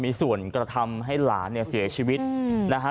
มีส่วนกระทำให้หลานเนี่ยเสียชีวิตนะฮะ